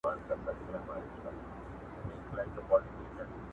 مجلس او بحث وکړ